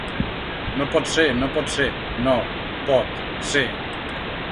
No pot ser, no pot ser, No, Pot, Ser!